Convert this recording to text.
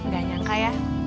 gak nyangka ya